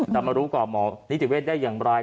ทำมารู้ก่อหมอนิติเวทย์ได้อย่างไร